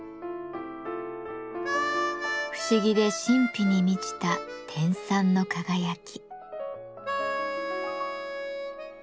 不思議で神秘に満ちた天蚕の輝き。